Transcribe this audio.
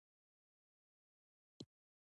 ویده خوب نازولي وي